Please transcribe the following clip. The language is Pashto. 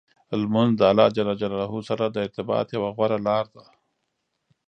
لمونځ د الله جل جلاله سره د ارتباط یوه غوره لار ده.